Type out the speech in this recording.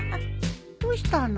どうしたの？